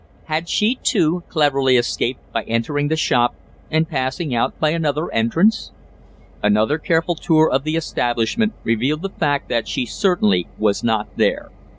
Had she, too, cleverly escaped by entering the shop, and passing out by another entrance? Another careful tour of the establishment revealed the fact that she certainly was not there.